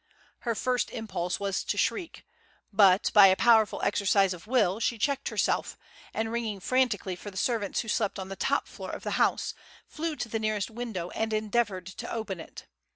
Her first impulse was to shriek, but, by a powerful exercise of will, she checked herself, and ringing frantically for the servants who slept on the top floor of the house, flew to the nearest window and endeavoured to open it.